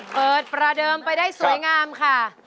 ประเดิมไปได้สวยงามค่ะ